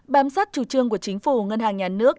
bám sát chủ trương của chính phủ ngân hàng nhà nước